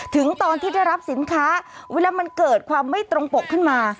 ถึงตอนที่ได้รับสินค้าเวลามันเกิดความไม่ตรงปกขึ้นมา